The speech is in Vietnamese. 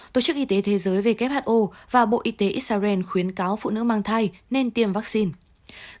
tổ chức y tế thế giới who và bộ y tế israel khuyến cáo phụ nữ mang thai nên tiêm vaccine